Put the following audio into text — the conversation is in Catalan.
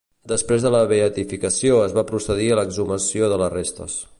Després de la beatificació es va procedir a l'exhumació de les restes.